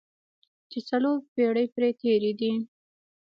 چې څلور پېړۍ پرې تېرې دي.